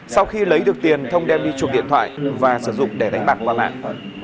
sau khi lấy được tiền thông đem đi chuộc điện thoại và sử dụng để đánh bạc qua mạng